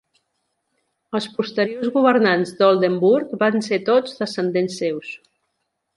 Els posteriors governants d'Oldenburg van ser tots descendents seus.